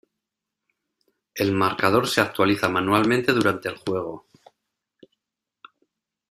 El marcador se actualiza manualmente durante el juego.